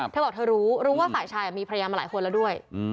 เธอบอกเธอรู้รู้ว่าฝ่ายชายมีภรรยามาหลายคนแล้วด้วย